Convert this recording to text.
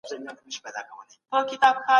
هغه په کتابتون کي مطالعه کوله.